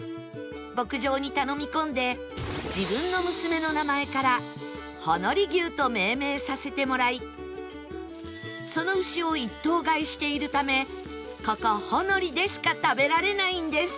牧場に頼み込んで自分の娘の名前から「ほのり牛」と命名させてもらいその牛を一頭買いしているためここほのりでしか食べられないんです